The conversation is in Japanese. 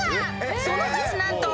［その数何と］